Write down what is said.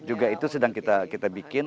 itu juga sedang kita bikin